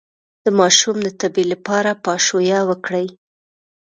د ماشوم د تبې لپاره پاشویه وکړئ